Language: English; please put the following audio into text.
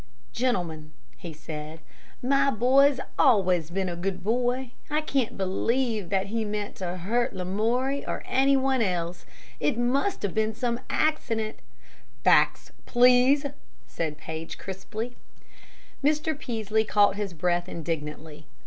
"Gentlemen," he said, "my boy's always been a good boy. I can't believe that he meant to hurt Lamoury or any one else. It must have been some accident " "Facts, please," said Paige, crisply. Mr. Peaslee caught his breath indignantly.